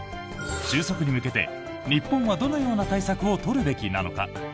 収束に向けて日本はどのような対策を取るべきなのか。